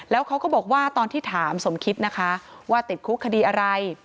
แล้วเขาก็บอกว่าตอนที่ถามสมคิดนะคะว่าติดคุกคดีอะไร